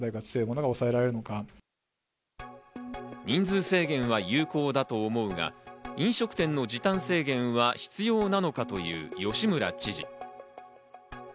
人数制限は有効だと思うが、飲食店の時短制限は必要なのかと言う吉村知事。